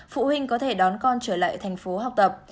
phụ huynh có thể đón con trở lại tp hcm